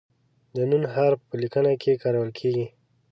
د "ن" حرف په لیکنه کې کارول کیږي.